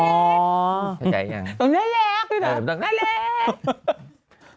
พอใจยังน่าเล็กน่าเล็ก